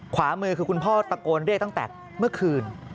ขวามือคือคุณพ่อตะโกนเรียกตั้งแต่เมื่อคืน